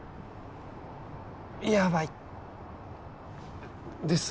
やばいです